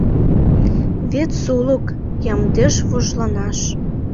Вет сулык — ямдеш вожланаш